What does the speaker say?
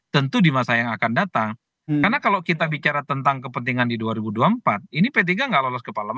tentu di masa yang akan datang karena kalau kita bicara tentang kepentingan di dua ribu dua puluh empat ini p tiga nggak lolos ke palembang